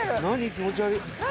気持ち悪い。